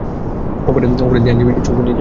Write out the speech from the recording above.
অপরাধী আইনজীবী চৌবে জি।